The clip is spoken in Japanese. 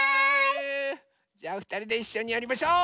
じゃあふたりでいっしょにやりましょう！